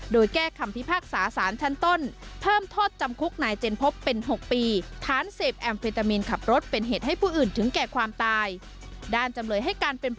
โดยแก้คำพิพากษาสารชั้นต้นเพิ่มโทษจำคุกนายเจนพบเป็น๖ปี